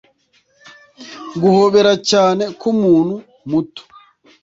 guhobera cyane kumuntu muto!